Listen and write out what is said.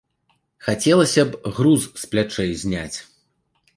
Хацелася б груз з плячэй зняць.